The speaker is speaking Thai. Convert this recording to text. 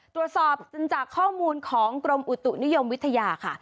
ตรวจสอบจากข้อมูลของกรมอุตุนิยมวิทยาค่ะ